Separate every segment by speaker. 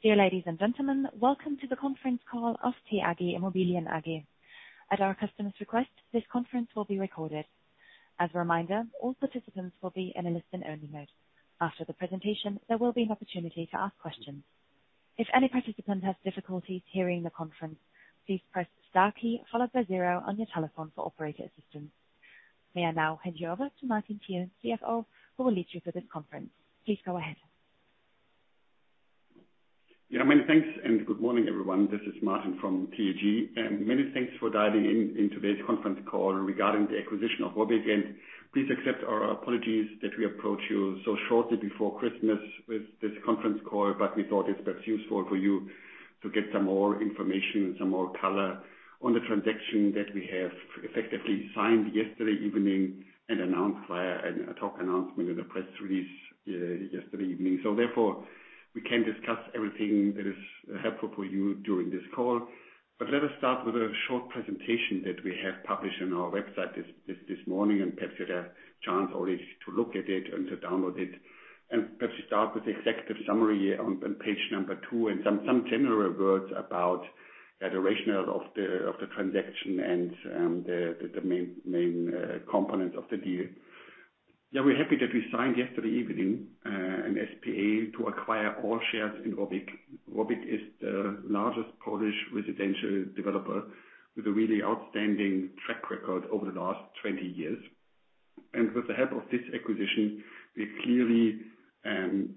Speaker 1: Dear ladies and gentlemen, welcome to the conference call of TAG Immobilien AG. At our customer's request, this conference will be recorded. As a reminder, all participants will be in a listen-only mode. After the presentation, there will be an opportunity to ask questions. If any participant has difficulties hearing the conference, please press star key followed by zero on your telephone for operator assistance. May I now hand you over to Martin Thiel, CFO, who will lead you through this conference. Please go ahead.
Speaker 2: Many thanks and good morning, everyone. This is Martin from TAG. Many thanks for dialing in to today's conference call regarding the acquisition of ROBYG. Please accept our apologies that we approach you so shortly before Christmas with this conference call. We thought it's perhaps useful for you to get some more information and some more color on the transaction that we have effectively signed yesterday evening and announced via an ad hoc announcement in the press release yesterday evening. Therefore, we can discuss everything that is helpful for you during this call. Let us start with a short presentation that we have published on our website this morning, and perhaps you've had a chance already to look at it, and to download it. Perhaps start with the executive summary on page number two, and some general words about the rationale of the transaction, and the main components of the deal. We're happy that we signed yesterday evening an SPA to acquire all shares in ROBYG. ROBYG is the largest Polish residential developer with a really outstanding track record over the last 20 years. With the help of this acquisition, we're clearly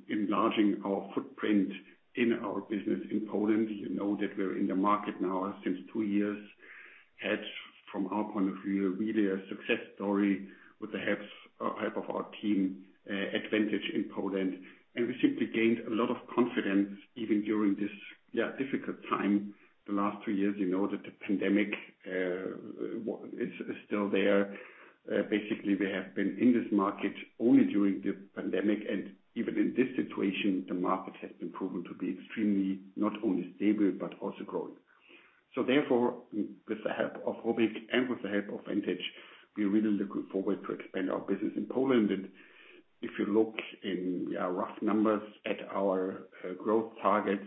Speaker 2: enlarging our footprint in our business in Poland, and, you know that we're in the market now since two years. Hence, from our point of view, really a success story with the help of our team at Vantage in Poland. We simply gained a lot of confidence even during this difficult time. The last two years, you know that the pandemic is still there. Basically, we have been in this market only during the pandemic, and even in this situation, the market has been proven to be extremely not only stable but also growing. Therefore, with the help of ROBYG and with the help of Vantage, we are really looking forward to expand our business in Poland. If you look in rough numbers at our growth targets,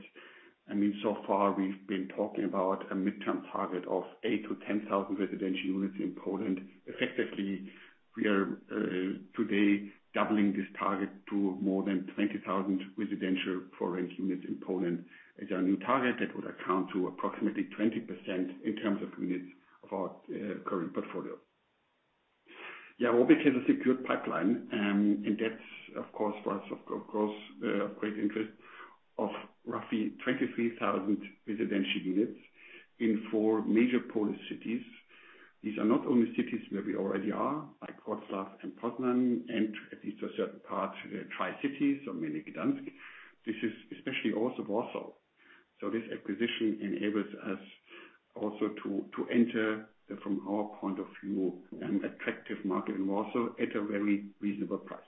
Speaker 2: I mean, so far we've been talking about a midterm target of 8,000 to 10,000 residential units in Poland. Effectively, we are today doubling this target to more than 20,000 residential foreign units in Poland as our new target. That would account to approximately 20% in terms of units of our current portfolio. ROBYG has a secured pipeline and that's, of course, for us, of course, of great interest of roughly 23,000 residential units in four major Polish cities. These are not only cities where we already are, like Wrocław and Poznań, and at least for a certain part, Tri-City, so mainly Gdańsk. This is especially also Warsaw. This acquisition enables us also to enter from our point of view an attractive market in Warsaw at a very reasonable price.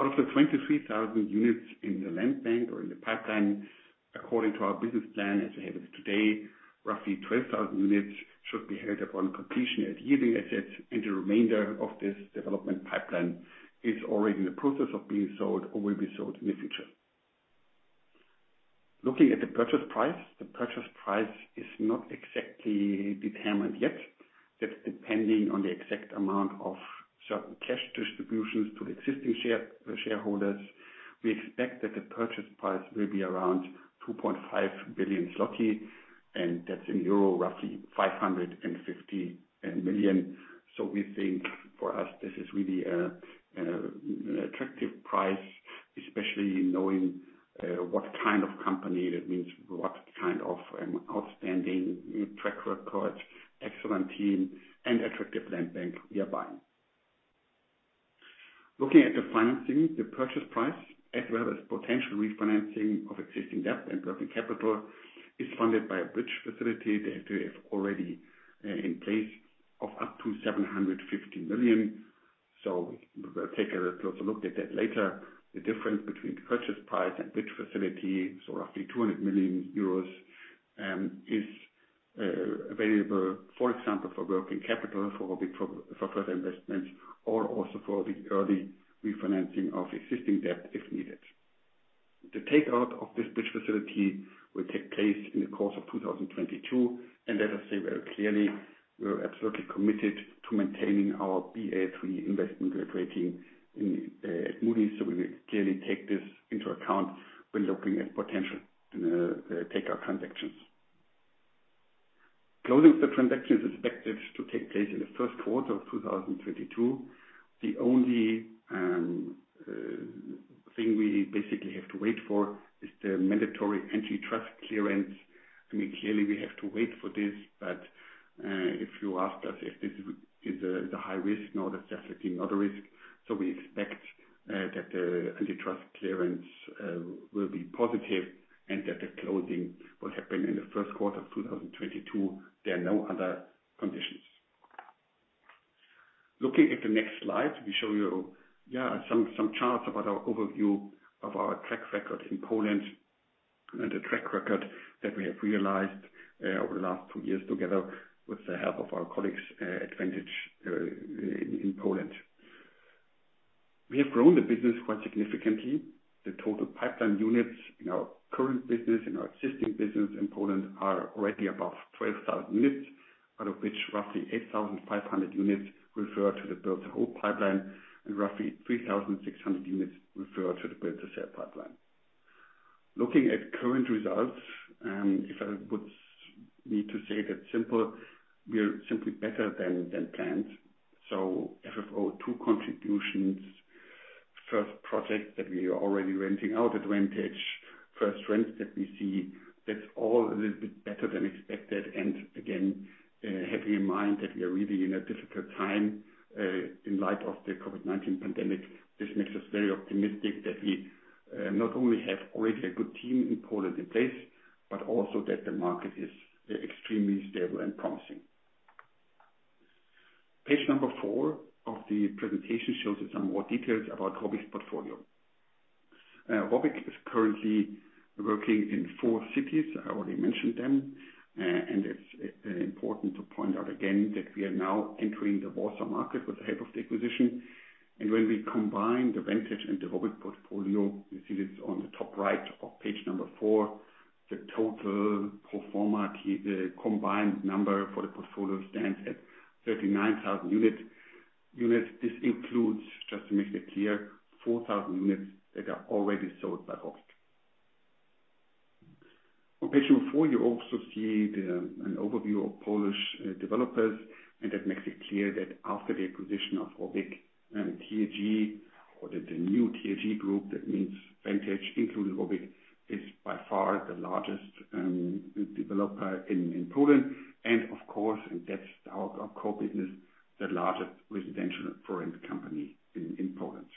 Speaker 2: Out of the 23,000 units in the land bank or in the pipeline, according to our business plan, as we have it today, roughly 12,000 units should be held upon completion as yielding assets, and the remainder of this development pipeline is already in the process of being sold or will be sold in the future. Looking at the purchase price, the purchase price is not exactly determined yet. That's depending on the exact amount of certain cash distributions to the existing shareholders. We expect that the purchase price will be around 2.5 billion zloty, and that's in euro, roughly 550 million. We think for us this is really a attractive price, especially knowing what kind of company, that means what kind of outstanding track record, excellent team, and attractive land bank we are buying. Looking at the financing, the purchase price, as well as potential refinancing of existing debt and working capital, is funded by a bridge facility that we have already in place up to 750 million. We will take a closer look at that later. The difference between the purchase price and bridge facility, so roughly 200 million euros, is available, for example, for working capital, for ROBYG, for further investments or also for the early refinancing of existing debt, if needed. The takeout of this bridge facility will take place in the course of 2022. Let us say very clearly, we are absolutely committed to maintaining our Baa3 investment grade rating at Moody's. We will clearly take this into account when looking at potential takeout transactions. Closing of the transaction is expected to take place in the first quarter of 2022. The only thing we basically have to wait for is the mandatory antitrust clearance. I mean, clearly we have to wait for this. If you ask us if this is a high risk, no, that's definitely not a risk. We expect that the antitrust clearance will be positive and that the closing will happen in the first quarter of 2022. There are no other conditions. Looking at the next slide, we show you some charts about our overview of our track record in Poland, and the track record that we have realized over the last two years together with the help of our colleagues at Vantage in Poland. We have grown the business quite significantly. The total pipeline units in our current business, in our existing business in Poland are already above 12,000 units, out of which roughly 8,500 units refer to the build to hold pipeline and roughly 3,600 units refer to the build to sell pipeline. Looking at current results, if I would need to say that simple, we are simply better than planned. FFO II contributions, first project that we are already renting out at Vantage. First rents that we see, that's all a little bit better than expected. Again, having in mind that we are really in a difficult time in light of the COVID-19 pandemic. This makes us very optimistic that we not only have already a good team in Poland in place but also that the market is extremely stable and promising. Page number four of the presentation shows you some more details about ROBYG's portfolio. ROBYG is currently working in four cities. I already mentioned them. It's important to point out again that we are now entering the Warsaw market with the help of the acquisition. When we combine the Vantage and the ROBYG portfolio, you see this on the top right of page number four. The total pro forma combined number for the portfolio stands at 39,000 units. This includes, just to make that clear, 4,000 units that are already sold by ROBYG. On page number four, you also see an overview of Polish developers. That makes it clear that after the acquisition of ROBYG and TAG or the new TAG group, that means Vantage, including ROBYG, is by far the largest developer in Poland and of course that's our core business, the largest residential for rent company in Poland.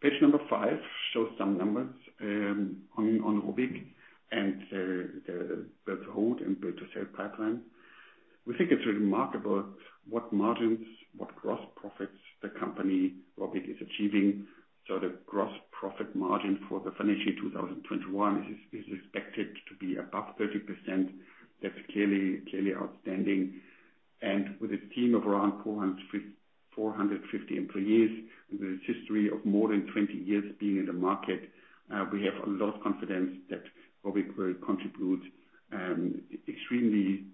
Speaker 2: Page number five shows some numbers on ROBYG and the build to hold and build to sell pipeline. We think it's remarkable what margins, what gross profits the company ROBYG is achieving. The gross profit margin for the financial 2021 is expected to be above 30%. That's clearly outstanding. With a team of around 450 employees, with a history of more than 20 years being in the market, we have a lot of confidence that ROBYG will contribute extremely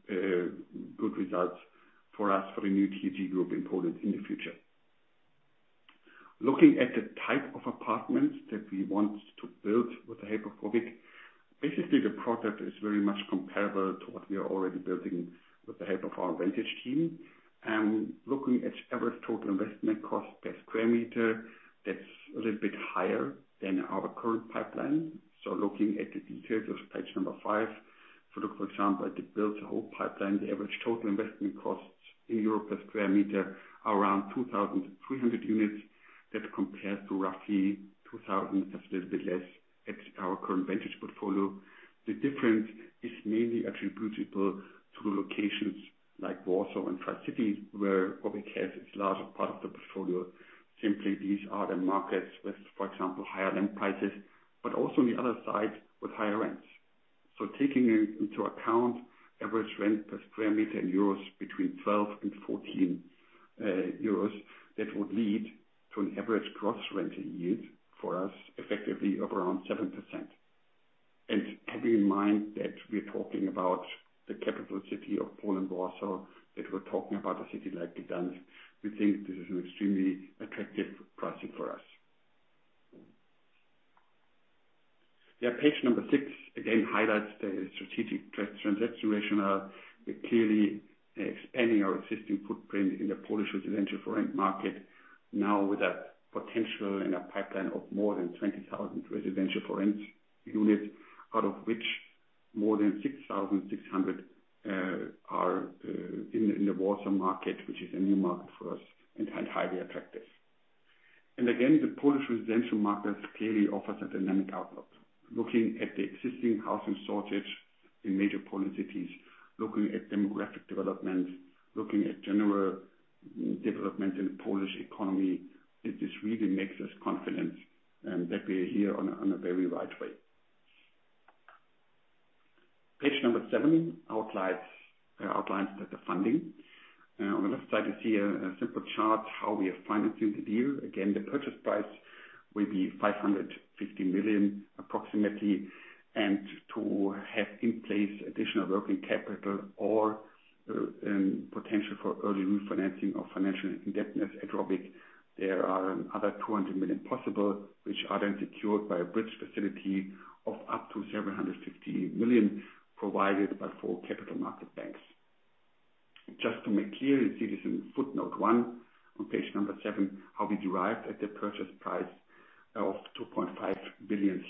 Speaker 2: good results for us for the new TAG group in Poland in the future. Looking at the type of apartments that we want to build with the help of ROBYG, basically the product is very much comparable to what we are already building with the help of our Vantage team. Looking at average total investment cost per sq m, that's a little bit higher than our current pipeline. Looking at the details of page number five, so look, for example, at the build to hold pipeline, the average total investment costs in Euro per sq m are around 2,300 units. That compares to roughly 2,000 units, just a little bit less at our current Vantage portfolio. The difference is mainly attributable to locations like Warsaw and five cities where ROBYG has its larger part of the portfolio. Simply these are the markets with, for example, higher land prices, but also on the other side with higher rents. Taking into account average rent per sq m in 12 euros and 14 euros, that would lead to an average gross rent yield for us effectively of around 7%. Having in mind that we're talking about the capital city of Poland, Warsaw, that we're talking about a city like Gdańsk, we think this is an extremely attractive pricing for us. Page number six, again, highlights the strategic transaction rationale. We're clearly expanding our existing footprint in the Polish residential for rent market now with a potential and a pipeline of more than 20,000 residential for rent units, out of which more than 6,600 units are in the Warsaw market, which is a new market for us and highly attractive. Again, the Polish residential market clearly offers a dynamic outlook. Looking at the existing housing shortage in major Polish cities, looking at demographic development, looking at general development in the Polish economy, this really makes us confident that we are here on a very right way. Page number seven outlines the funding. On the left side you see a simple chart, how we are financing the deal, again, the purchase price will be 550 million approximately. To have in place additional working capital or potential for early refinancing of financial indebtedness at ROBYG, there are other 200 million possible, which are then secured by a bridge facility of up to 750 million provided by four capital market banks. To make clear, you see this in footnote one on page number seven, how we derived at the purchase price of 2.5 billion.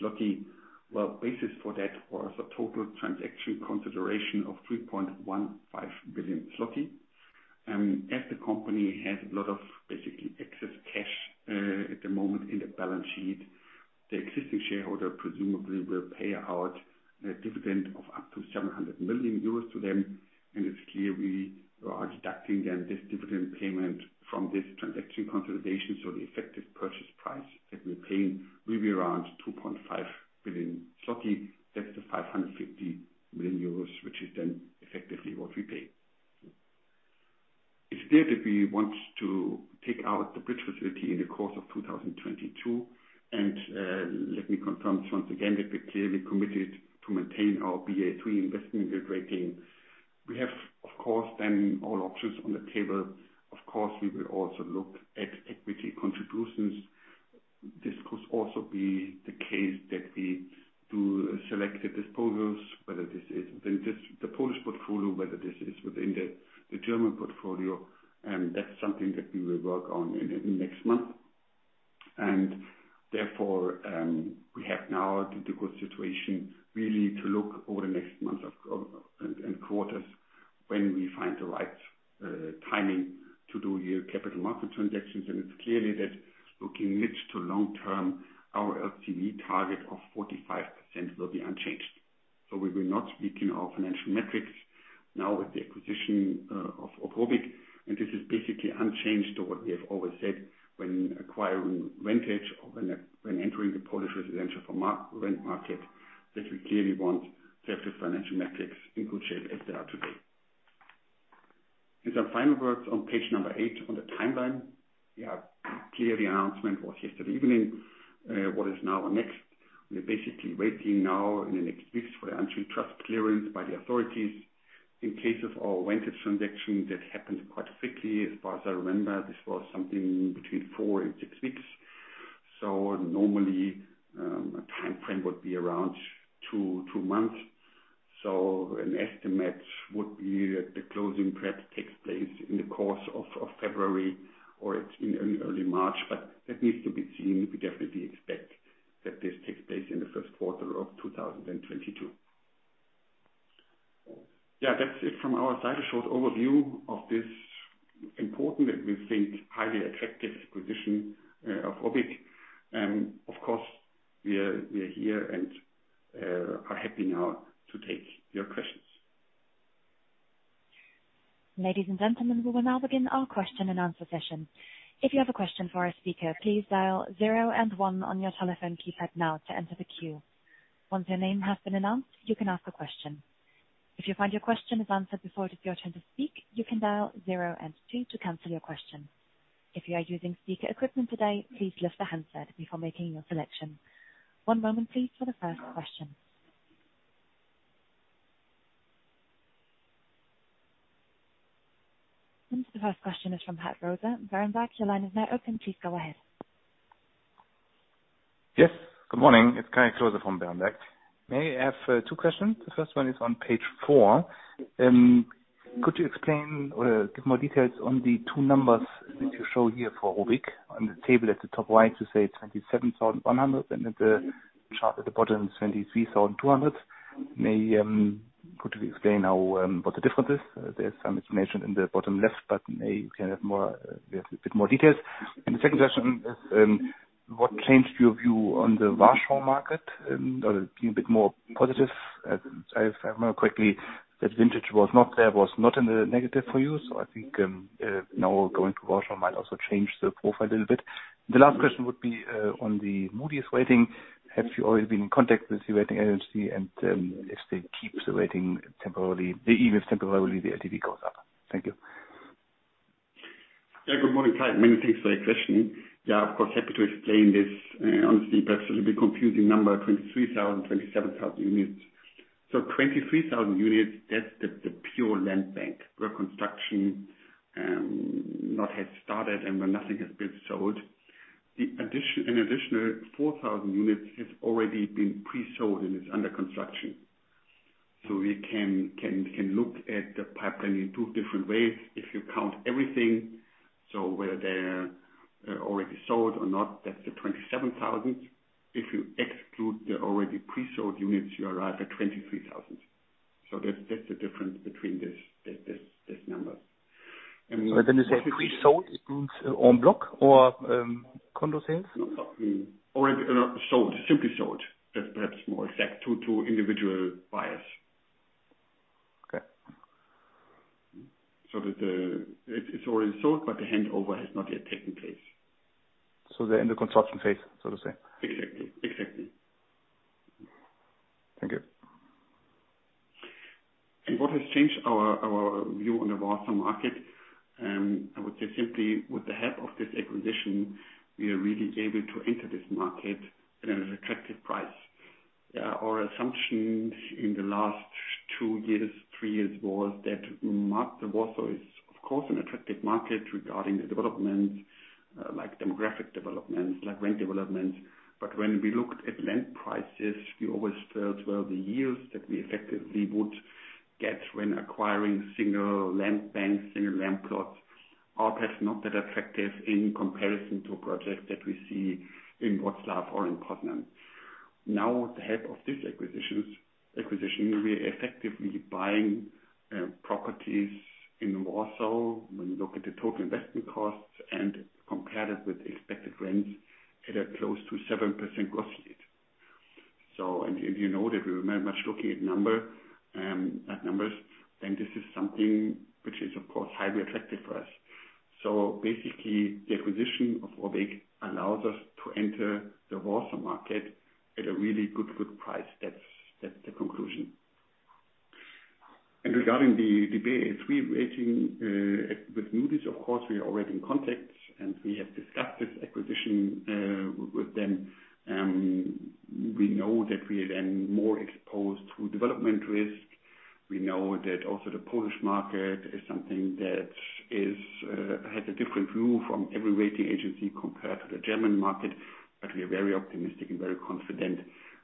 Speaker 2: Well, basis for that was a total transaction consideration of 3.15 billion. As the company has a lot of basically excess cash at the moment in the balance sheet, the existing shareholder presumably will pay out a dividend of up to 700 million euros to them and it's clear we are deducting then this dividend payment from this transaction consolidation. The effective purchase price that we're paying will be around 2.5 billion zloty. That's the 550 million euros, which is then effectively what we pay. It's clear that we want to take out the bridge facility in the course of 2022. Let me confirm once again that we're clearly committed to maintain our Baa3 investment grade rating. We have, of course, then all options on the table. Of course, we will also look at equity contributions. This could also be the case that we do selective disposals, whether this is within the Polish portfolio, whether this is within the German portfolio, and that's something that we will work on in the next month. Therefore, we have now the good situation really to look over the next month and quarters when we find the right timing to do here capital market transactions. It's clear that looking mid-to-long term, our LTV target of 45% will be unchanged. We will not weaken our financial metrics now with the acquisition of ROBYG and this is basically unchanged to what we have always said when acquiring Vantage or when entering the Polish residential-for-rent market that we clearly want to have the financial metrics in good shape as they are today. Some final words on page number eight on the timeline. Clearly, the announcement was yesterday evening. What is now our next? We're basically waiting now in the next weeks for the antitrust clearance by the authorities. In case of our Vantage transaction, that happened quite quickly. As far as I remember, this was something between four weeks and six weeks. Normally, a timeframe would be around two months. An estimate would be that the closing prep takes place in the course of February or it's in early March. That needs to be seen. We definitely expect that this takes place in the first quarter of 2022. Yeah, that's it from our side. A short overview of this important that we think highly effective acquisition of ROBYG. Of course, we are here and are happy now to take your questions.
Speaker 1: Ladies and gentlemen, we will now begin our question and answer session. If you have a question for a speaker, please dial zero and one on your telephone keypad now to enter the queue. Once your name has been announced, you can ask a question. If you find your question is answered before it is your turn to speak, you can dial zero and two to cancel your question. If you are using speaker equipment today, please lift the handset before making your selection. One moment please for the first question. The first question is from Kai Klose from Berenberg, your line is now open. Please go ahead.
Speaker 3: Yes. Good morning. It's Kai Klose from Berenberg. May I have two questions? The first one is on page four. Could you explain or give more details on the two numbers that you show here for ROBYG on the table at the top right, you say 27,100 units and then the chart at the bottom is 23,200 units. Could you explain how what the difference is? There's some information in the bottom left but maybe we can have more bit more details. The second question is, what changed your view on the Warsaw market? Are you a bit more positive? If I remember correctly, that Vantage was not in the negative for you. I think now going to Warsaw might also change the profile a little bit. The last question would be on the Moody's rating. Have you always been in contact with the rating agency? If they keep the rating temporarily, even if temporarily, the LTV goes up. Thank you.
Speaker 2: Yeah. Good morning, Kai. Many thanks for your question. Yeah, of course, happy to explain this, honestly, but it's a little bit confusing number, 23,000 units, 27,000 units. 23,000 units, that's the pure land bank, where construction not has started and where nothing has been sold. An additional 4,000 units has already been pre-sold and is under construction. We can look at the pipeline in two different ways. If you count everything, so whether they're already sold or not, that's the 27,000 units. If you exclude the already pre-sold units, you arrive at 23,000 units. That's the difference between this number.
Speaker 3: When you say pre-sold, it includes own block or condo sales?
Speaker 2: Sold, simply sold. That's perhaps more exact to individual buyers.
Speaker 3: Okay.
Speaker 2: That it's already sold, but the handover has not yet taken place.
Speaker 3: They're in the construction phase, so to say.
Speaker 2: Exactly. Exactly.
Speaker 3: Thank you.
Speaker 2: What has changed our view on the Warsaw market, I would say simply with the help of this acquisition, we are really able to enter this market at an attractive price. Our assumption in the last two years, three years was that the Warsaw is, of course, an attractive market regarding the development, like demographic development, like rent development. When we looked at land prices, we always felt, the yields that we effectively would get when acquiring single land banks, single land plots are perhaps not that attractive in comparison to projects that we see in Wrocław or in Poznań. Now, with the help of this acquisition, we are effectively buying properties in Warsaw. When you look at the total investment costs and compare that with expected rents at a close to 7% gross yield and, you know that we are very much looking at numbers, then this is something which is, of course, highly attractive for us. Basically, the acquisition of ROBYG allows us to enter the Warsaw market at a really good price. That's the conclusion. Regarding the Baa3 rating with Moody's, of course, we are already in contact, and we have discussed this acquisition with them. We know that we are then more exposed to development risk. We know that also the Polish market is something that has a different view from every rating agency compared to the German market. We are very optimistic and very confident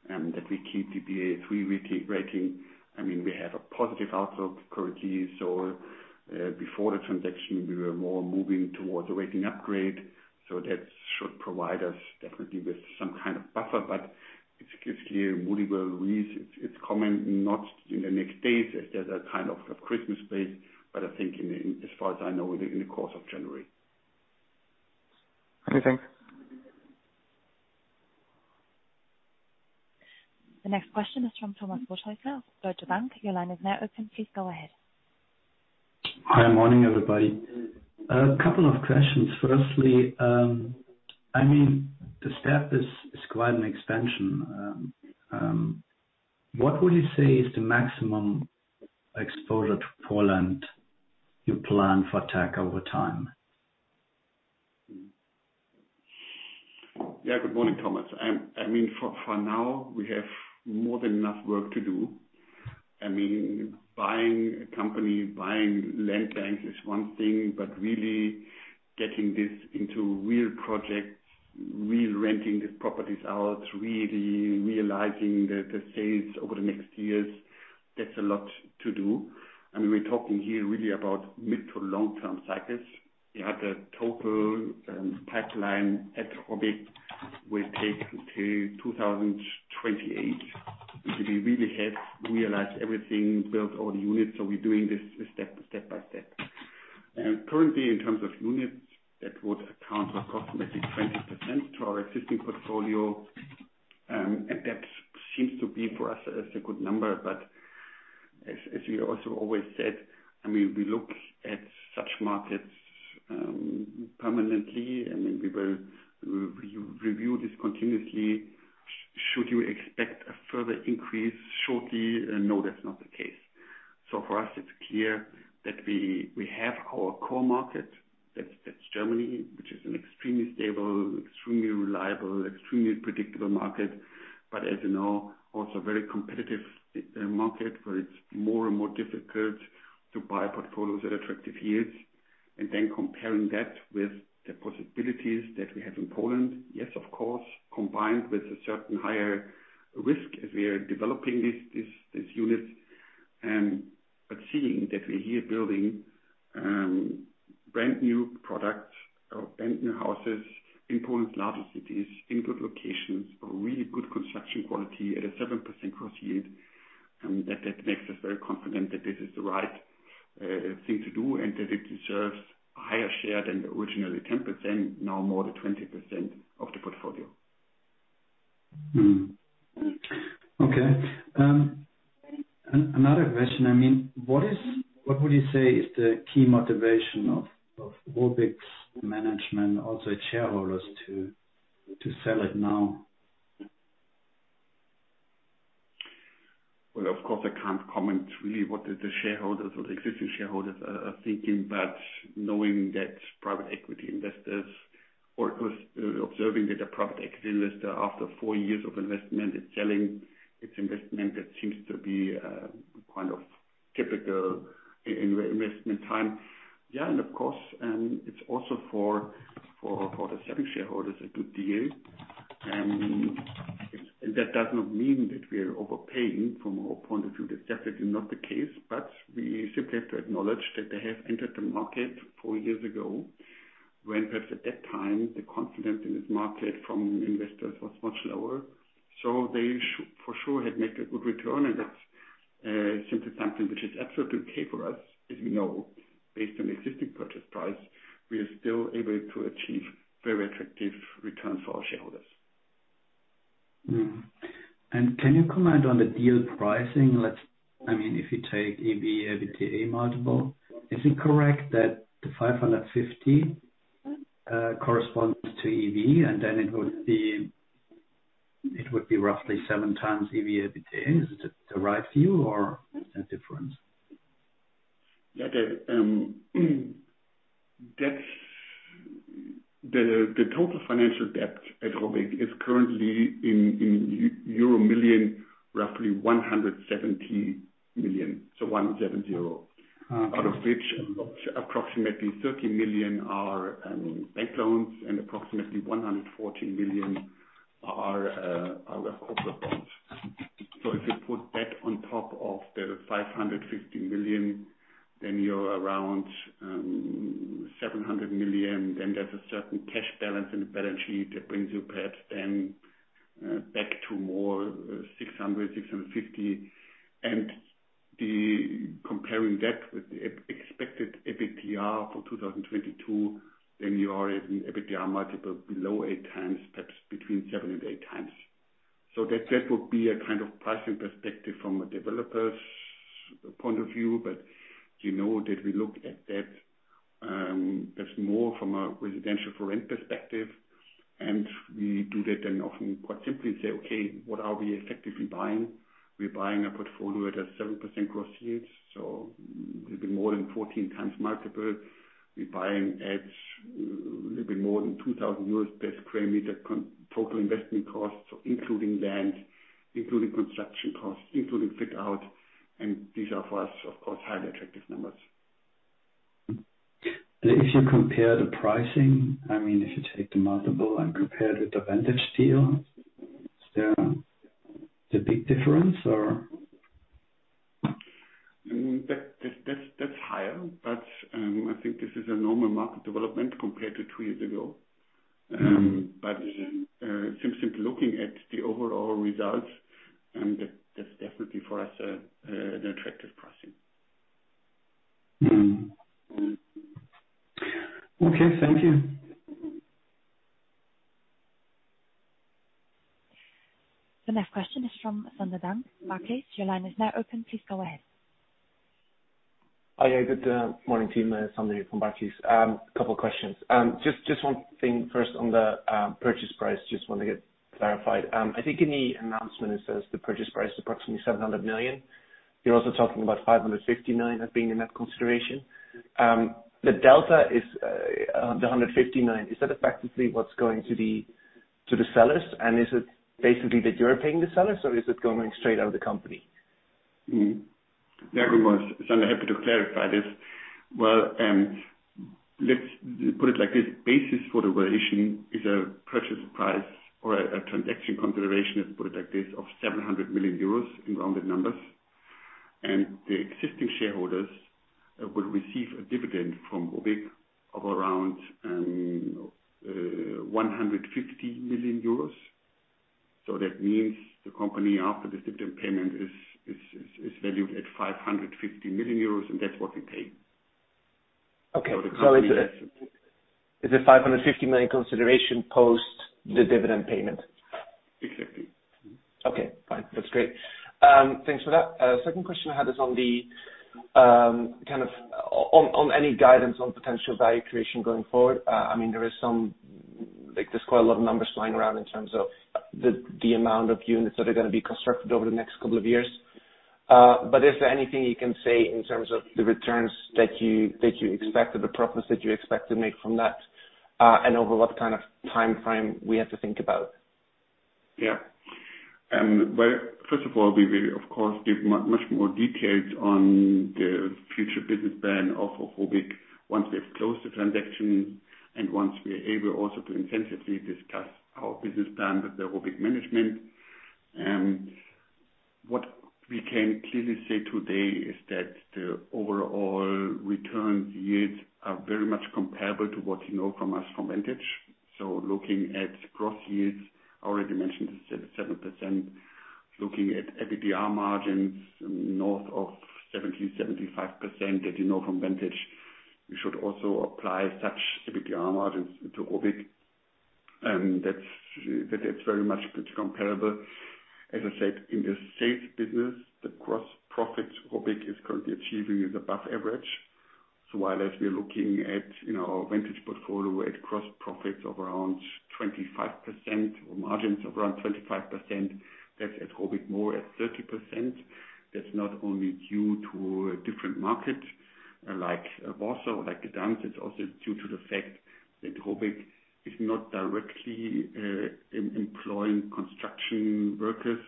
Speaker 2: that we keep the Baa3 rating. I mean, we have a positive outlook currently. Before the transaction, we were more moving towards a rating upgrade so that should provide us definitely with some kind of buffer. It's clearly Moody's will release its comment, not in the next days, as there's a kind of of Christmas break, but I think in, as far as I know, in the course of January.
Speaker 3: Okay, thanks.
Speaker 1: The next question is from Thomas Rothaeusler of Deutsche Bank. Your line is now open. Please go ahead.
Speaker 4: Hi, morning, everybody, a couple of questions. Firstly, I mean, the step is quite an expansion, what will you say is the maximum exposure to Poland, your plan, for tech over time?
Speaker 2: Good morning, Thomas. For now, we have more than enough work to do. I mean, buying a company, buying land banks is one thing, but really getting this into real projects, re-renting the properties out, really realizing the sales over the next years, that's a lot to do. I mean, we're talking here really about mid-to-long term cycles. Our total pipeline at ROBYG will take until 2028, until we really have realized everything, built all the units. We're doing this step by step. Currently, in terms of units, that would account for approximately 20% of our existing portfolio. And that seems to be for us as a good number. As we also always said, I mean, we look at such markets permanently and then we will review this continuously. Should you expect a further increase shortly? No, that's not the case. For us, it's clear that we have our core market. That's Germany, which is an extremely stable, extremely reliable, and extremely predictable market. As you know, also very competitive market, where it's more and more difficult to buy portfolios at attractive yields. Then comparing that with the possibilities that we have in Poland, yes, of course, combined with a certain higher risk as we are developing these units. Seeing that we're here building brand-new products or brand-new houses in Poland's largest cities, in good locations, a really good construction quality at a 7% gross yield, that makes us very confident that this is the right thing to do and that it deserves a higher share than the originally 10%, now more the 20% of the portfolio.
Speaker 4: Another question. I mean, what would you say is the key motivation of ROBYG's management, also its shareholders to sell it now?
Speaker 2: Well, of course, I can't comment really what the shareholders or the existing shareholders are thinking. Knowing that private equity investors or observing that a private equity investor after four years of investment is selling its investment, that seems to be kind of typical in investment time. Yeah, and, of course, it's also for the selling shareholders a good deal. That does not mean that we are overpaying. From our point of view, that's definitely not the case, but we simply have to acknowledge that they have entered the market four years ago, when perhaps at that time, the confidence in this market from investors was much lower. They for sure had made a good return, and that's simply something which is absolutely okay for us. As you know, based on existing purchase price, we are still able to achieve very attractive returns for our shareholders.
Speaker 4: Can you comment on the deal pricing? Let's, I mean, if you take EV/EBITDA multiple, is it correct that the 550 corresponds to EV, and then it would be roughly 7x EV/EBITDA? Is it the right view, or is that different?
Speaker 2: Yeah. The total financial debt at ROBYG is currently 170 million, so 170. Out of which approximately 30 million are bank loans and approximately 114 million are, of course, the bonds. If you put that on top of the 550 million, then you're around 700 million, then there's a certain cash balance in the balance sheet that brings you perhaps then back to more 650. Comparing that with the expected EBITDA for 2022 then you are at an EBITDA multiple below 8x, perhaps between 7x and 8x. That would be a kind of pricing perspective from a developer's point of view, you know that we look at that as more from a residential for rent perspective, and we do that then often quite simply say, "Okay, what are we effectively buying? We're buying a portfolio at a 7% gross yield, so it'll be more than 14x multiple. We're buying at a little bit more than 2,000 euros per sq m total investment costs, including land, including construction costs, including fit out, and these are for us, of course, highly attractive numbers.
Speaker 4: If you compare the pricing, I mean, if you take the multiple and compare it with the Vantage deal, is there a big difference or?
Speaker 2: That's higher, but I think this is a normal market development compared to two years ago. Simply looking at the overall results, that's definitely for us an attractive pricing.
Speaker 4: Okay. Thank you.
Speaker 1: The next question is from Sander Bunck of Barclays. Your line is now open. Please go ahead.
Speaker 5: Hi. Good morning, team. Sander from Barclays. A couple of questions, just one thing first on the purchase price. I just want to get clarified. I think in the announcement it says the purchase price is approximately 700 million. You're also talking about 559 million as being in that consideration. The delta is the 159 million. Is that effectively what's going to the sellers? And is it basically that you're paying the sellers, or is it going straight out of the company?
Speaker 2: Good morning, Sander. I'm happy to clarify this. Well, let's put it like this. Basis for the valuation is a purchase price or a transaction consideration, let's put it like this, of 700 million euros in rounded numbers. The existing shareholders will receive a dividend from ROBYG of around 150 million euros. That means the company, after this dividend payment, is valued at 550 million euros, and that's what we pay.
Speaker 5: Okay. Is 550 million consideration post the dividend payment?
Speaker 2: Exactly.
Speaker 5: Okay. Fine. That's great. Thanks for that. Second question I had is on any guidance on potential value creation going forward. I mean, there's quite a lot of numbers flying around in terms of the amount of units that are going to be constructed over the next couple of years. Is there anything you can say in terms of the returns that you expect or the profits that you expect to make from that and over what kind of timeframe we have to think about?
Speaker 2: First of all, we will of course give much more details on the future business plan of ROBYG once we have closed the transaction and once we are able also to intensively discuss our business plan with the ROBYG management. What we can clearly say today is that the overall returns yields are very much comparable to what you know from us from Vantage. Looking at gross yields, I already mentioned the 7%. Looking at EBITDA margins, north of 70%, 75% that you know from Vantage. We should also apply such EBITDA margins to ROBYG and that is very much comparable. As I said, in the sales business, the gross profits ROBYG is currently achieving is above average. While as we are looking at, you know, our Vantage portfolio at gross profits of around 25% or margins of around 25%, that's at ROBYG more at 30%. That's not only due to a different market like Warsaw, like Gdańsk. It's also due to the fact that ROBYG is not directly employing construction workers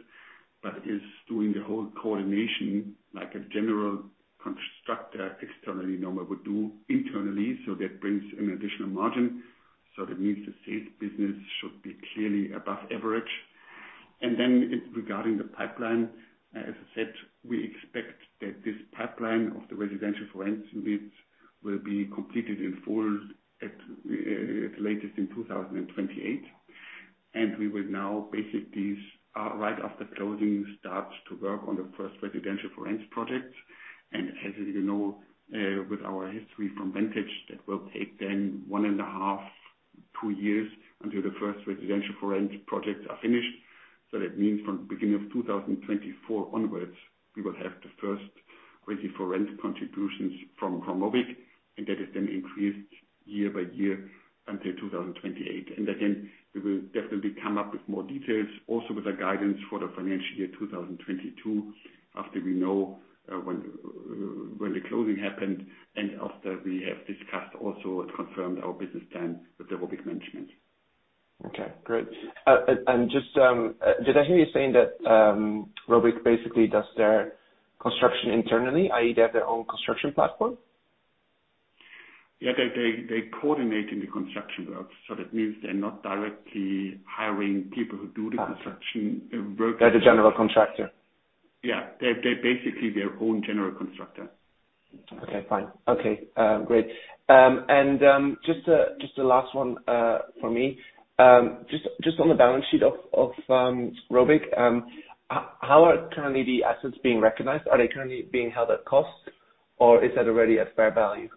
Speaker 2: but is doing the whole coordination like a general contractor externally normally would do internally. That brings an additional margin. That means the sales business should be clearly above average. Then regarding the pipeline, as I said, we expect that this pipeline of the residential-for-rent units will be completed in full at latest in 2028. We will now, basically, right after closing, start to work on the first residential-for-rent project. As you know, with our history from Vantage, that will take one and a half to two years until the first residential for rent projects are finished. That means from beginning of 2024 onwards, we will have the first Resi4Rent contributions from ROBYG. That is then increased year-by-year until 2028. We will definitely come up with more details also with a guidance for the financial year 2022 after we know when the closing happened and after we have discussed also and confirmed our business plan with the ROBYG management.
Speaker 5: Okay, good. Did I hear you saying that ROBYG basically does their construction internally, i.e., they have their own construction platform?
Speaker 2: Yeah, they coordinating the construction works so that means they're not directly hiring people who do the construction work.
Speaker 5: They're the general contractor.
Speaker 2: Yeah. They're basically their own general contractor.
Speaker 5: Okay, fine. Okay, great, and just a last one from me. Just on the balance sheet of ROBYG. How are currently the assets being recognized? Are they currently being held at cost or is that already at fair value?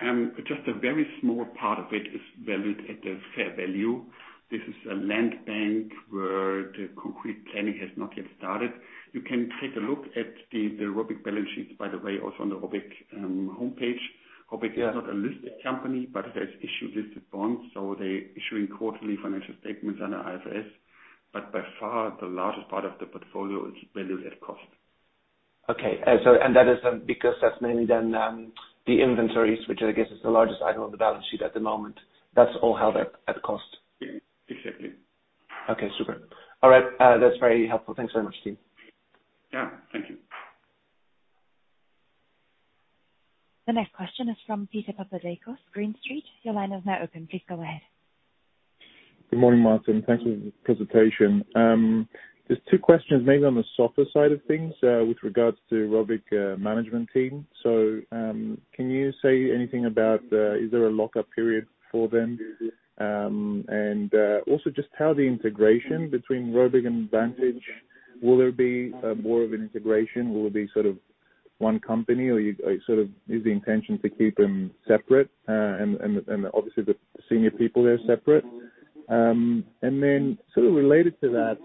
Speaker 2: A very small part of it is valued at the fair value. This is a land bank where the concrete planning has not yet started. You can take a look at the ROBYG balance sheets, by the way, also on the ROBYG homepage.
Speaker 5: Yeah.
Speaker 2: ROBYG is not a listed company, but it has issued listed bonds, so they're issuing quarterly financial statements on our IFRS, but by far the largest part of the portfolio is valued at cost.
Speaker 5: Okay. That isn't because that's mainly then the inventories, which is the largest item on the balance sheet at the moment. That's all held at cost.
Speaker 2: Exactly.
Speaker 5: Okay, super. All right, that's very helpful. Thanks so much, Martin.
Speaker 2: Yeah. Thank you.
Speaker 1: The next question is from Peter Papadakos, Green Street. Your line is now open. Please go ahead.
Speaker 6: Good morning, Martin. Thanks for the presentation. Two questions, mainly on the softer side of things, with regards to ROBYG management team. Can you say anything about, is there a lock-up period for them? Also, just how the integration between ROBYG and Vantage, will there be more of an integration? Will it be sort of one company or sort of is the intention to keep them separate, and obviously the senior people there separate? Then sort of related to that,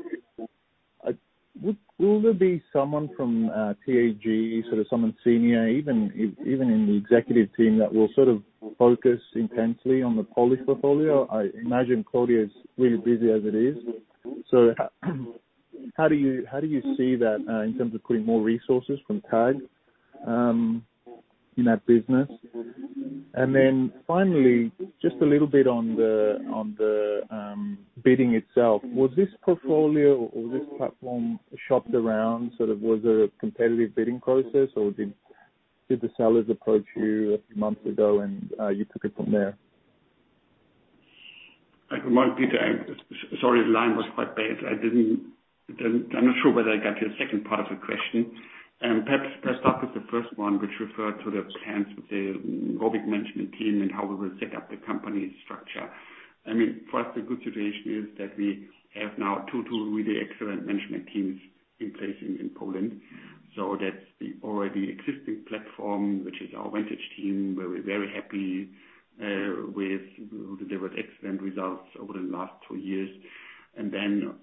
Speaker 6: will there be someone from TAG, sort of someone senior, even in the executive team that will sort of focus intensely on the Polish portfolio? I imagine Claudio is really busy as it is. How do you see that in terms of putting more resources from TAG in that business? Finally, just a little bit on the bidding itself. Was this portfolio or was this platform shopped around, sort of was it a competitive bidding process, or did the sellers approach you a few months ago and you took it from there?
Speaker 2: Thank you and sorry, the line was quite bad. I'm not sure whether I got your second part of the question. Perhaps let's start with the first one, which referred to the plans with the ROBYG management team and how we will set up the company structure. I mean, for us, the good situation is that we have now two really excellent management teams in place in Poland. That's the already existing platform, which is our Vantage team. We're very happy with who delivered excellent results over the last two years. Then,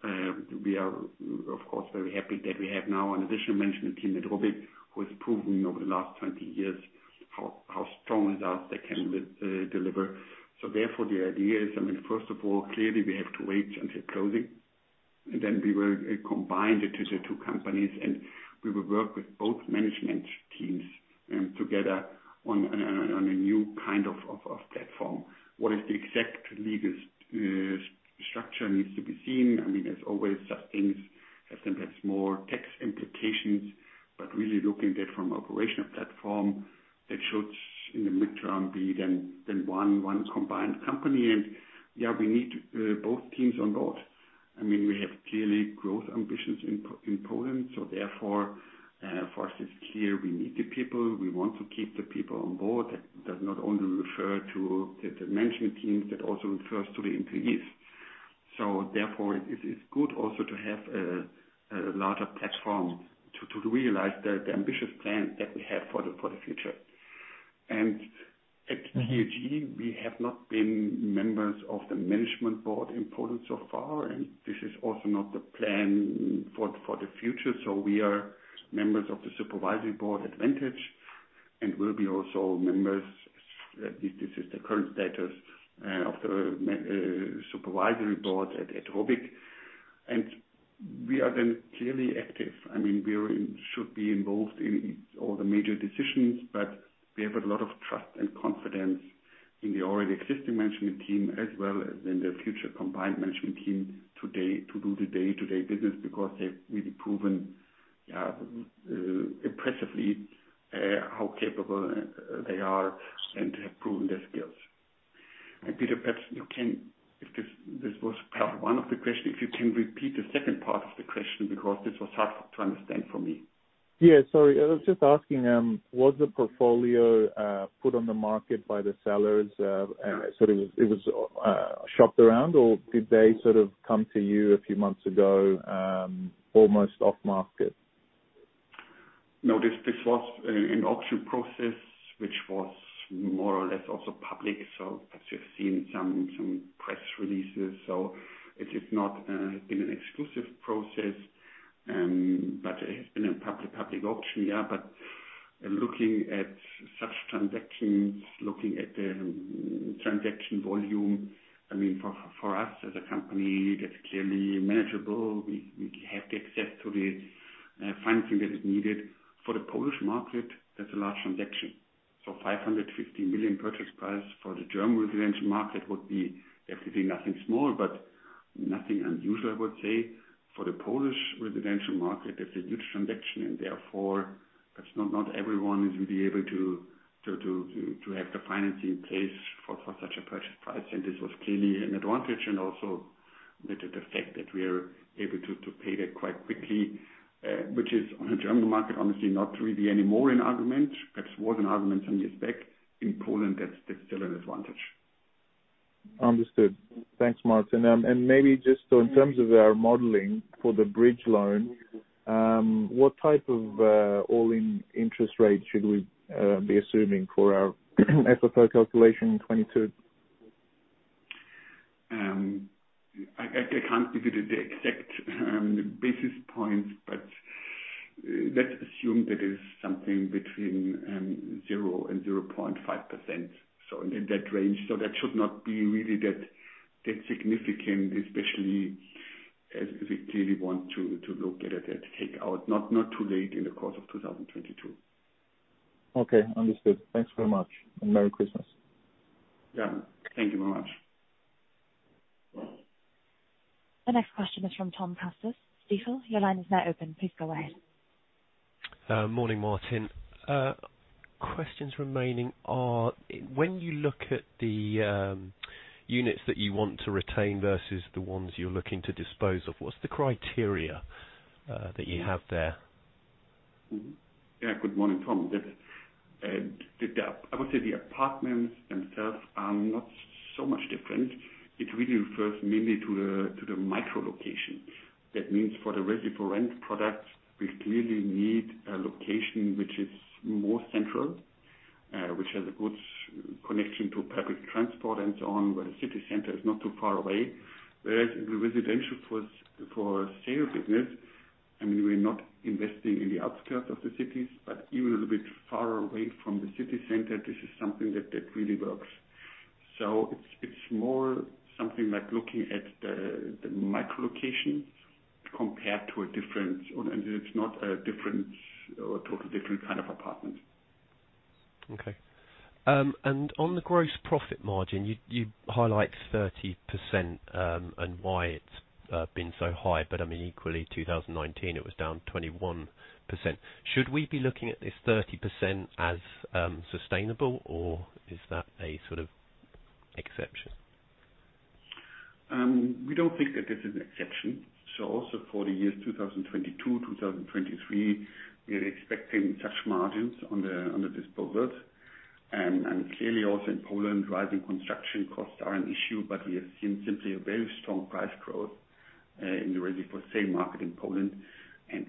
Speaker 2: we are, of course, very happy that we have now an additional management team at ROBYG who has proven over the last 20 years how strong results they can deliver. The idea is, I mean first of all, clearly we have to wait until closing. We will combine the two companies and we will work with both management teams together on a new kind of platform. What is the exact legal structure? Needs to be seen. I mean, but it has been a public auction. Looking at such transactions, looking at the transaction volume, I mean, for us as a company that's clearly manageable. We have the access to the financing that is needed. For the Polish market, that's a large transaction. 550 million purchase price for the German residential market would be definitely nothing small, but nothing unusual, I would say. For the Polish residential market, it's a huge transaction and therefore it's not everyone is really able to have the financing in place for such a purchase price. This was clearly an advantage and also the fact that we are able to pay that quite quickly, which is on the German market, honestly, not really anymore an argument. That was an argument some years back. In Poland, that's still an advantage.
Speaker 6: Understood. Thanks, Martin, and maybe just so in terms of our modeling for the bridge loan, what type of all-in interest rate should we be assuming for our FFO calculation in 2022?
Speaker 2: I can't give you the exact basis points, but let's assume that is something between zero and 0.5%. In that range. That should not be really that significant especially as we clearly want to look at it to take out, not too late in the course of 2022.
Speaker 6: Okay. Understood. Thanks very much and merry Christmas.
Speaker 2: Yeah. Thank you very much.
Speaker 1: The next question is from Tom Eisenstadt from Stifel, your line is now open. Please go ahead.
Speaker 7: Morning, Martin. Questions remaining are when you look at the units that you want to retain versus the ones you're looking to dispose of, what's the criteria that you have there?
Speaker 2: Yeah. Good morning, Tom. I would say, the apartments themselves are not so much different. It really refers mainly to the micro location. That means for the Resi4Rent products, we clearly need a location, which is more central, which has a good connection to public transport and so on, where the city center is not too far away. Whereas in the residential for sale business, I mean, we're not investing in the outskirts of the cities, but even a little bit far away from the city center, this is something that really works. It's more something like looking at the micro location compared to a different or i mean, it's not a different or totally different kind of apartment.
Speaker 7: On the gross profit margin, you highlight 30% and why it's been so high. I mean, equally in 2019, it was down 21%. Should we be looking at this 30% as sustainable or is that a sort of exception?
Speaker 2: We don't think that this is an exception. Also, for the years 2022, 2023, we are expecting such margins on the disposals. Clearly also in Poland, rising construction costs are an issue but we have seen simply a very strong price growth in the Resi4sale market in Poland.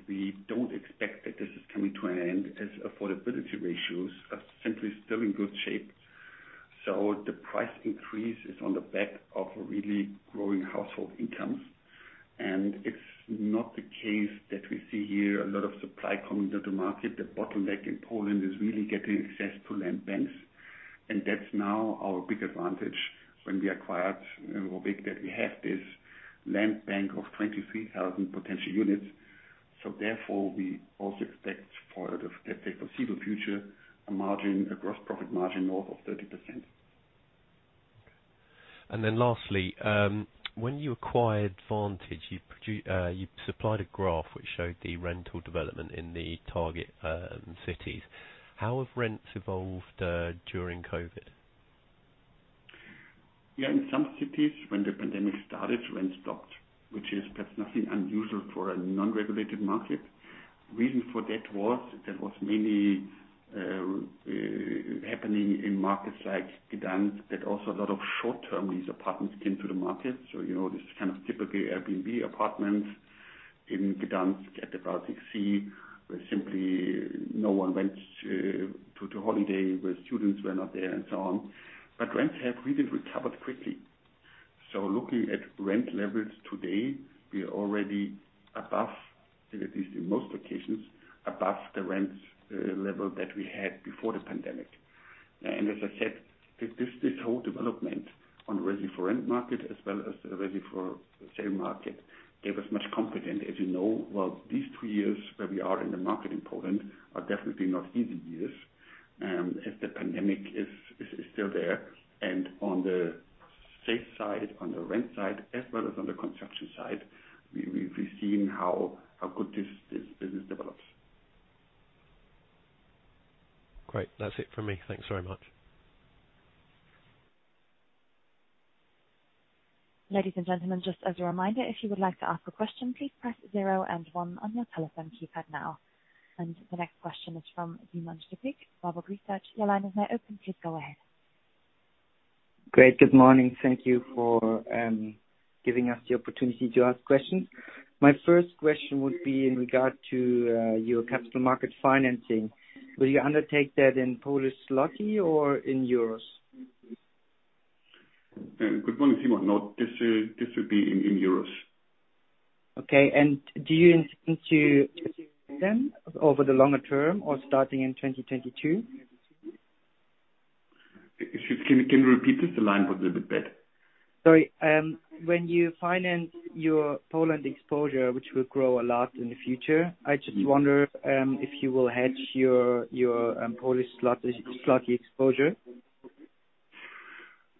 Speaker 2: We don't expect that this is coming to an end as affordability ratios are simply still in good shape. The price increase is on the back of really growing household incomes. It's not the case that we see here, a lot of supply coming to the market. The bottleneck in Poland is really getting access to land banks, and that's now our big advantage when we acquired ROBYG, that we have this land bank of 23,000 potential units. Therefore, we also expect for the foreseeable future, a margin, a gross profit margin north of 30%.
Speaker 7: Lastly, when you acquired Vantage, you supplied a graph which showed the rental development in the target cities. How have rents evolved during COVID?
Speaker 2: Yeah, in some cities when the pandemic started, rent stopped, which is, that's nothing unusual for a non-regulated market. The reason for that was mainly happening in markets like Gdańsk, that also a lot of short-term lease apartments came to the market. This is kind of typically Airbnb apartments in Gdańsk at the Baltic Sea, where simply no one went to holiday, where students were not there and so on. Rents have really recovered quickly. Looking at rent levels today, we are already above, at least in most locations, above the rent level that we had before the pandemic. As I said, this whole development on Resi4Rent market as well as the Resi4sale market gave us much confidence. As you know, well, these two years where we are in the market in Poland are definitely not easy years, as the pandemic is still there. On the safe side, on the rent side, as well as on the construction side, we've seen how good this business develops.
Speaker 7: Great. That's it from me. Thanks very much.
Speaker 1: Ladies and gentlemen, just as a reminder, if you would like to ask a question, please press zero and one on your telephone keypad now. The next question is from Simon Stippig, Warburg Research. Your line is now open. Please go ahead.
Speaker 8: Great. Good morning. Thank you for giving us the opportunity to ask questions. My first question would be in regard to your capital market financing. Will you undertake that in Polish Zloty or in Euros?
Speaker 2: Good morning, Simon. No, this would be in euros.
Speaker 8: Okay. Do you intend to hedge them over the longer term or starting in 2022?
Speaker 2: Can you repeat this? The line was a little bit bad.
Speaker 8: Sorry. When you finance your Poland exposure, which will grow a lot in the future, I just wonder if you will hedge your Polish Zloty exposure.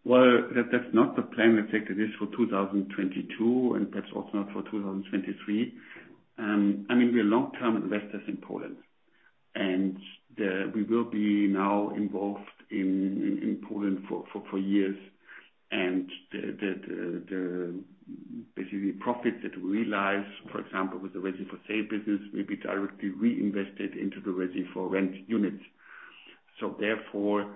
Speaker 2: Well, that's not the plan of effecting this for 2022, and that's also not for 2023. I mean, we are long-term investors in Poland, and we will be now involved in Poland for years. Basically the profit that we realize, for example, with the Resi4Sale business will be directly reinvested into the Resi4Rent units. Therefore,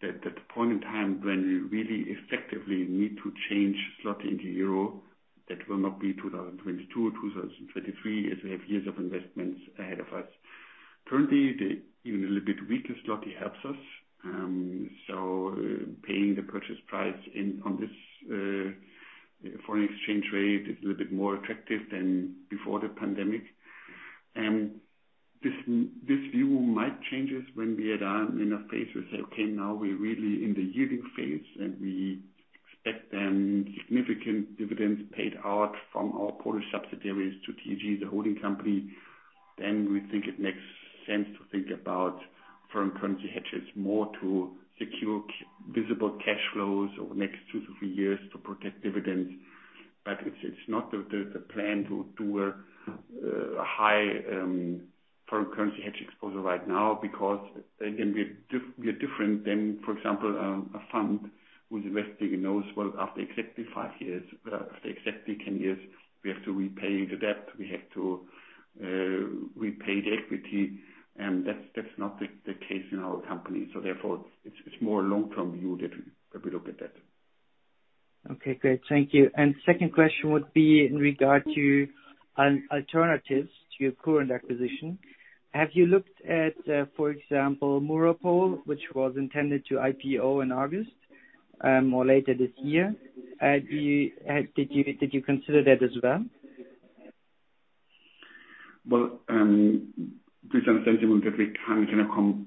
Speaker 2: the point in time when we really effectively need to change Zloty into euro, that will not be 2022 or 2023, as we have years of investments ahead of us. Currently, even a little bit weaker Zloty helps us. Paying the purchase price upon this foreign exchange rate is a little bit more attractive than before the pandemic. This view might change us, when we are in a phase we say, "Okay, now we're really in the yielding phase," and we expect then significant dividends paid out from our Polish subsidiaries to TAG, the holding company. We think it makes sense to think about foreign currency hedges more to secure visible cash flows over the next two years to three years to protect dividends. It's not the plan to do a high foreign currency hedge exposure right now because, again, we are different than, for example, a fund who's investing and knows, well, after exactly five years, after exactly 10 years, we have to repay the debt, we have to repay the equity, and that's not the case in our company. Therefore, it's more a long-term view that we look at that.
Speaker 8: Okay, great. Thank you. Second question would be in regard to alternatives to your current acquisition. Have you looked at, for example, Murapol, which was intended to IPO in August, or later this year? Did you consider that as well?
Speaker 2: Well, please understand we won't every time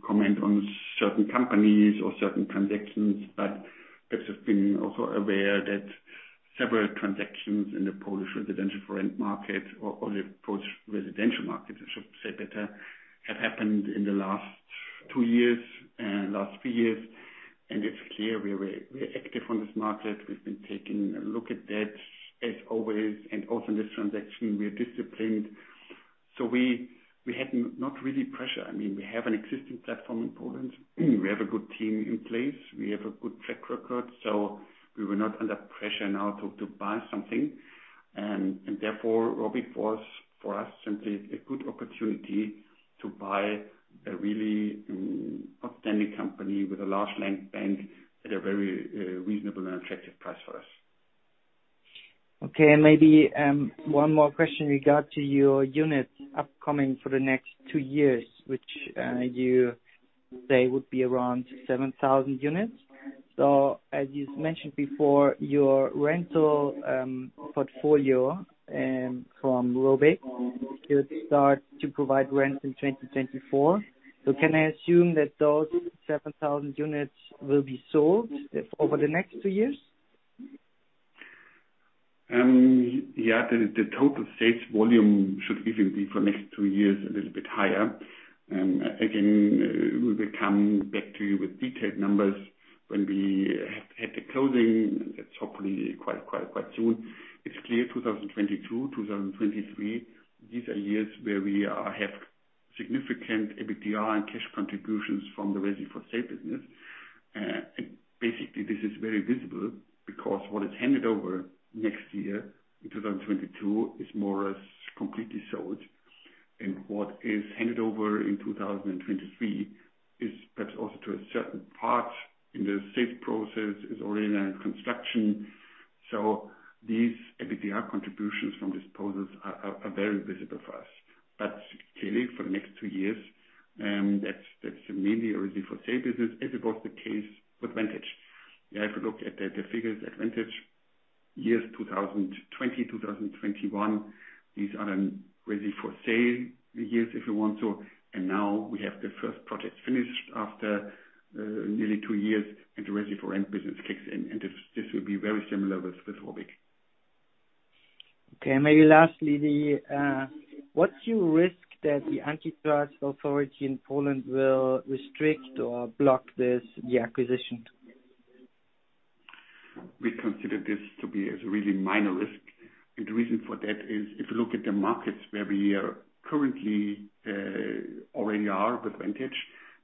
Speaker 2: comment on certain companies or certain transactions, but perhaps just being also aware that several transactions in the Polish residential for rent market or the Polish residential market, I should say better, have happened in the last two years, last few years. It's clear we are active on this market. We've been taking a look at that, as always. Also, in this transaction we are disciplined. We had not really pressure. I mean, we have an existing platform in Poland. We have a good team in place. We have a good track record. We were not under pressure now to buy something. Therefore, ROBYG was for us simply a good opportunity to buy a really outstanding company with a large land bank at a very reasonable and attractive price for us.
Speaker 8: Okay. Maybe one more question regarding your units upcoming for the next two years, which you say would be around 7,000 units. As you've mentioned before, your rental portfolio from ROBYG should start to provide rents in 2024. Can I assume that those 7,000 units will be sold over the next two years?
Speaker 2: The total sales volume should even be for next two years a little bit higher. Again, we will come back to you with detailed numbers when we have had the closing. That's hopefully quite soon. It's clear 2022, 2023, these are years where we have significant EBITDA and cash contributions from the Resi4Sale business. Basically this is very visible because what is handed over next year in 2022 is more or less completely sold. What is handed over in 2023 is perhaps also to a certain part in the sales process, is already now in construction. These EBITDA contributions from disposals are very visible for us. Clearly for the next two years, that's mainly a Resi4Sale business as it was the case with Vantage. You have to look at the figures at Vantage. YEars 2020, 2021, these are Resi4Sale years if you want so. Now we have the first projects finished after nearly two years and the Resi4Rent business kicks in. This will be very similar with ROBYG.
Speaker 8: Okay. Maybe lastly, what's your risk that the Antitrust authority in Poland will restrict or block this acquisition?
Speaker 2: We consider this to be as a really minor risk. The reason for that is if you look at the markets where we are currently already are with Vantage,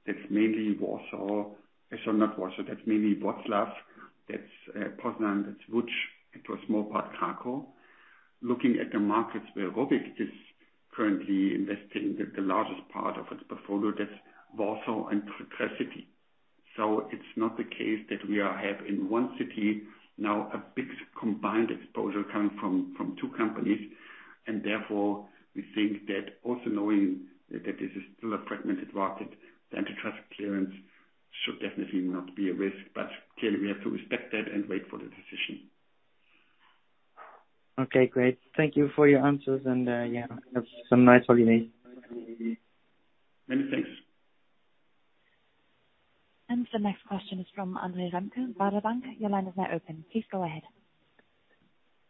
Speaker 2: that's mainly Warsaw. Sorry, not Warsaw. That's mainly Wrocław, that's Poznań, that's Łódź, and to a small part, Kraków. Looking at the markets where ROBYG is currently investing the largest part of its portfolio, that's Warsaw and Tri-City. It's not the case that we have in one city now a big combined exposure coming from two companies, and therefore we think that also knowing that this is still a fragmented market, the antitrust clearance should definitely not be a risk. Clearly we have to respect that and wait for the decision.
Speaker 8: Okay, great. Thank you for your answers and, yeah, have some nice holiday.
Speaker 2: Many thanks.
Speaker 1: The next question is from Andre Remke, Baader Bank. Your line is now open. Please go ahead.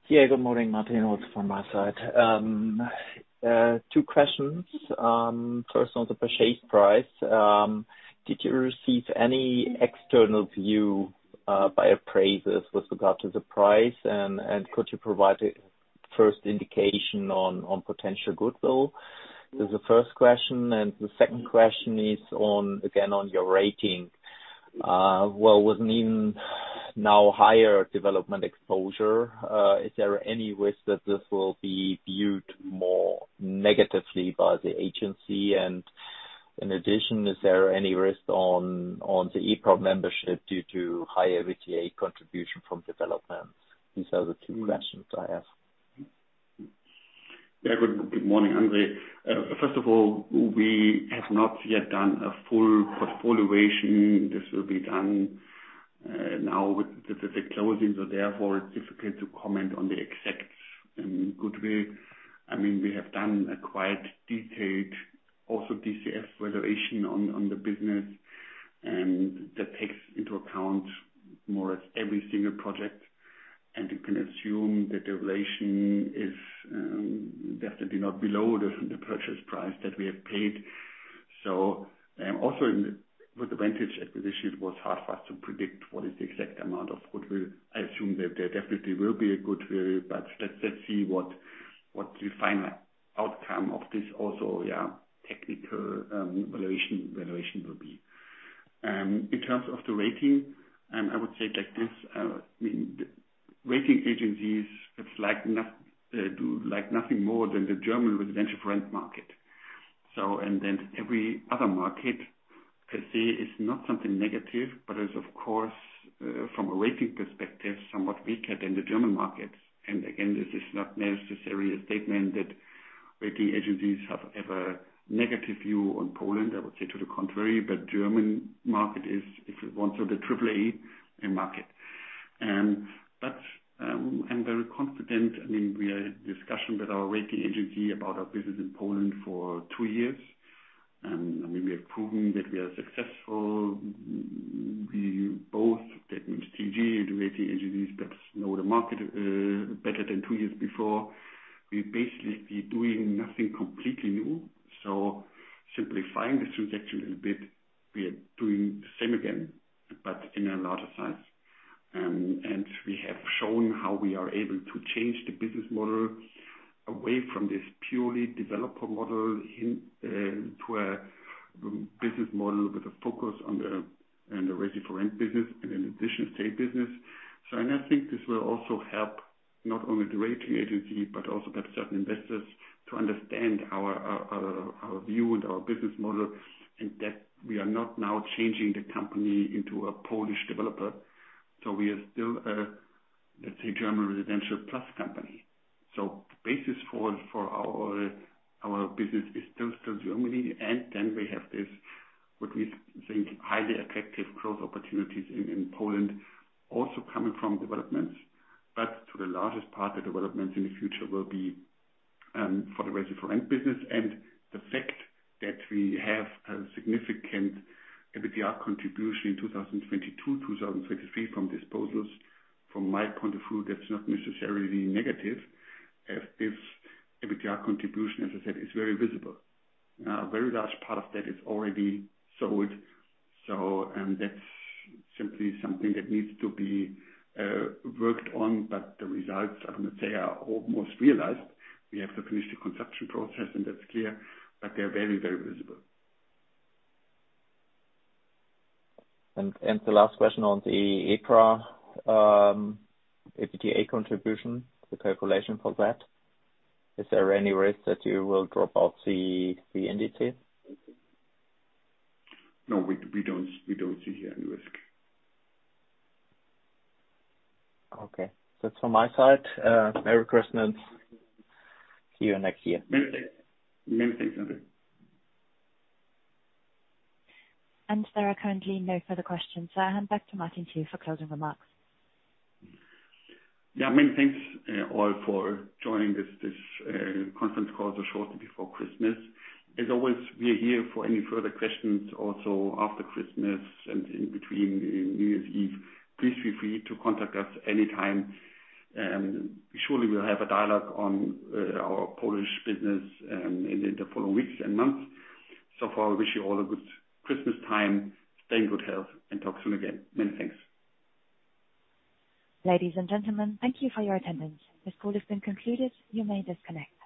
Speaker 9: Yeah. Good morning, Martin. Also from my side, two questions. First on the purchase price. Did you receive any external view by appraisers with regard to the price and could you provide a first indication on potential goodwill? This is the first question, and the second question is on, again, on your rating. Well, with an even now higher development exposure, is there any risk that this will be viewed more negatively by the agency? And in addition, is there any risk on the EPRA membership due to higher EBITDA contribution from developments? These are the two questions I ask.
Speaker 2: Good morning, Andre. First of all, we have not yet done a full portfolio valuation. This will be done now with the specific closings. Therefore, it's difficult to comment on the exact goodwill. I mean, we have done a quite detailed DCF valuation on the business, and that takes into account more or less every single project. You can assume that the valuation is definitely not below the purchase price that we have paid. Also, with the Vantage acquisition, it was hard for us to predict what is the exact amount of goodwill. I assume that there definitely will be a goodwill, but let's see what the final outcome of this also technical valuation will be. In terms of the rating, I would say that this, I mean, the rating agencies have like nothing more than the German residential rent market. Every other market per se is not something negative, but is of course, from a rating perspective, somewhat weaker than the German market. This is not necessarily a statement that rating agencies have a negative view on Poland. I would say to the contrary, but German market is, if it wants, so the AAA in market. I'm very confident. I mean, we are in discussion with our rating agency about our business in Poland for two years. I mean, we have proven that we are successful. We both, that means CG and the rating agencies, that know the market better than two years before. We're basically doing nothing completely new. Simplifying this transaction a little bit, we are doing the same again, but in a larger size. We have shown how we are able to change the business model away from this purely developer model into a business model with a focus on the ready-for-rent business and in addition estate business. I think this will also help not only the rating agency, but also perhaps certain investors to understand our view and our business model, and that we are not now changing the company into a Polish developer. We are still a, let's say, German residential plus company. The basis for our business is still Germany. Then, we have this, what we think, highly effective growth opportunities in Poland also coming from developments. To the largest part, the developments in the future will be for the ready-for-rent business. The fact that we have a significant EBITDA contribution in 2022, 2023 from disposals, from my point of view, that's not necessarily negative, as this EBITDA contribution, as I said, is very visible. A very large part of that is already sold, and that's simply something that needs to be worked on. The results, I wouldn't say are almost realized. We have to finish the construction process, and that's clear, but they're very, very visible.
Speaker 9: The last question on the EPRA, EBITDA contribution, the calculation for that. Is there any risk that you will drop out the index?
Speaker 2: No, we don't see here any risk.
Speaker 9: Okay. That's from my side. Merry Christmas to you and see you next year.
Speaker 2: Many thanks. Many thanks, Andre.
Speaker 1: There are currently no further questions, so I hand back to Martin, to you, for closing remarks.
Speaker 2: Yeah. Many thanks all for joining this conference call so shortly before Christmas. As always, we are here for any further questions also after Christmas and in between New Year's Eve. Please feel free to contact us any time and surely we'll have a dialogue on our Polish business in the following weeks and months. For now, I wish you all a good Christmas time. Stay in good health and talk soon again. Many thanks.
Speaker 1: Ladies and gentlemen, thank you for your attendance. This call has been concluded. You may disconnect.